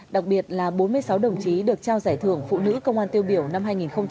đặc biệt là bốn mươi sáu đồng chí được trao giải thưởng phụ nữ công an tiêu biểu năm hai nghìn hai mươi ba